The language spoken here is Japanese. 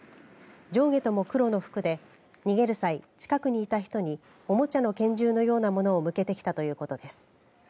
上下とも黒の服で逃げる際、近くにいた人におもちゃの拳銃のようなものを向けてきたということです。